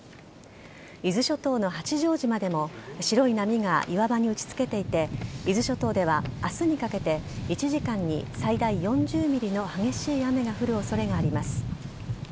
伊豆諸島の八丈島でも白い波が岩場に打ち付けていて伊豆諸島では明日にかけて１時間に最大４０ｍｍの激しい雨が降る恐れがあります。